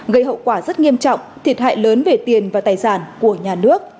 gây hậu quả rất nghiêm trọng thiệt hại lớn về tiền và tài sản của nhà nước